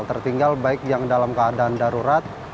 tertinggal baik yang dalam keadaan darurat